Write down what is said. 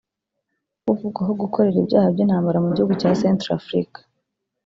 uvugwaho gukorera ibyaha by’intambara mu gihugu cya Centrafrique